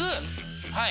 はい。